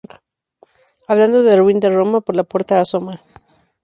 Hablando del ruin de Roma, por la puerta asoma